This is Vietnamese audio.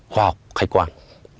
hoặc khách quan